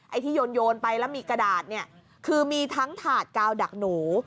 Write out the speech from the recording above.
ที่โยนไปแล้วมีกระดาษเนี่ยคือมีทั้งถาดกาวดักหนู